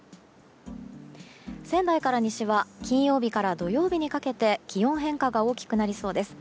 仙台から西は金曜日から土曜日にかけて気温変化が大きくなりそうです。